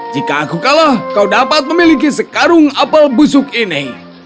jika aku kalah kau dapat memiliki sekarung apel busuk ini